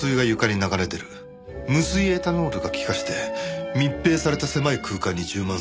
無水エタノールが気化して密閉された狭い空間に充満する。